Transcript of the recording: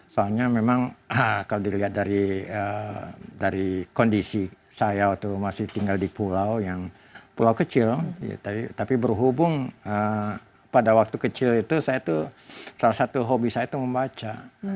soalnya memang kalau dilihat dari kondisi saya waktu masih tinggal di pulau yang pulau kecil tapi berhubung pada waktu kecil itu saya tuh salah satu hobi saya itu membaca